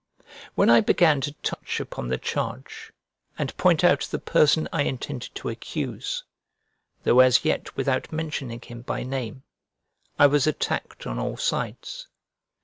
When I began to touch upon the charge, and point out the person I intended to accuse (though as yet without mentioning him by name), I was attacked on all sides.